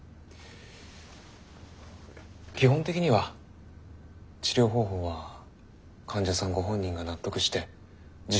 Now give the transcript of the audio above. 基本的には治療方法は患者さんご本人が納得して自主的に決めるのが。